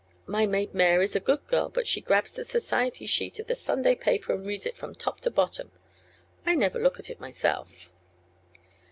My maid Mary's a good girl, but she grabs the society sheet of the Sunday paper and reads it from top to bottom. I never look at it myself."